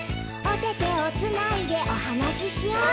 「おててをつないでおはなししよう」